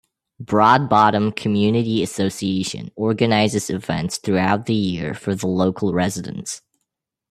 Broadbottom Community Association organizes events throughout the year for the local residents.